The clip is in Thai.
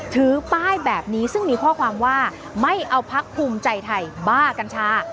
ถือป้ายแบบนี้ซึ่งมีข้อความว่าไม่เอาพักภูมิใจไทยบ้ากัญชา